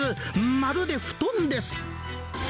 まるで布団です。